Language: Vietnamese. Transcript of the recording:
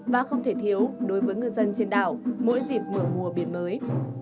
và không thể thiếu đối với ngư dân trên đảo mỗi dịp mở mùa biển mới